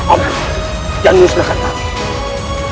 om jangan musnahkan kami